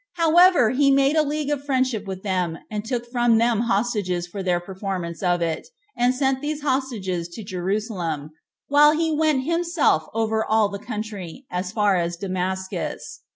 However, he made a league of friendship with them, and took from them hostages for their performance of it, and sent these hostages to Jerusalem, while he went himself over all the country, as far as Damascus.